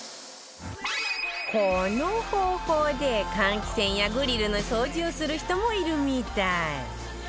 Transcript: この方法で換気扇やグリルの掃除をする人もいるみたい